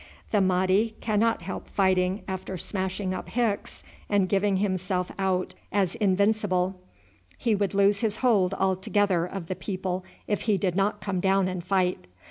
The Mahdi cannot help fighting after smashing up Hicks and giving himself out as invincible. He would lose his hold altogether of the people if he did not come down and fight.